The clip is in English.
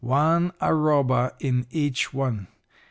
'One arroba in each one.